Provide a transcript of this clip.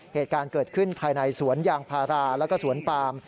เหตุการณ์เกิดขึ้นภายในสวนยางพาราแล้วก็สวนปาม